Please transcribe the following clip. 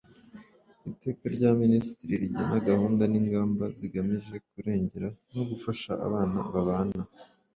Iteka rya Minisitiri rigena gahunda n ingamba zigamije kurengera no gufasha abana babana